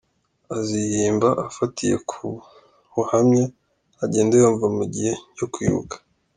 Azihimba afatiye ku buhamya agenda yumva mu gihe cyo kwibuka.